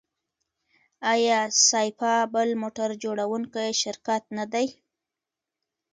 آیا سایپا بل موټر جوړوونکی شرکت نه دی؟